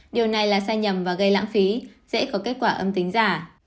điều này là sai nhầm và gây lãng phí dễ có kết quả âm tính giả